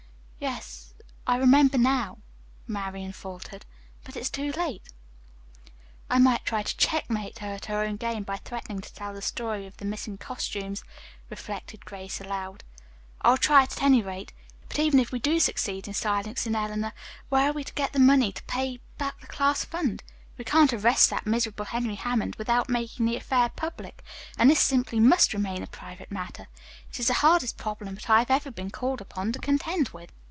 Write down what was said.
"Yes, I remember, now," Marian faltered, "but it is too late." "I might try to checkmate her at her own game by threatening to tell the story of the missing costumes," reflected Grace aloud. "I'll try it at any rate. But even if we do succeed in silencing Eleanor, where are we to get the money to pay back the class fund? We can't arrest that miserable Henry Hammond without making the affair public, and this simply must remain a private matter. It is the hardest problem that I have ever been called upon to contend with.